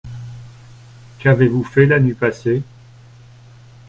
Qu’avez-vous fait la nuit passée ?